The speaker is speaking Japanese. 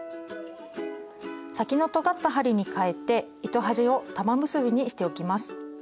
先のとがった針にかえて糸端を玉結びにしておきます。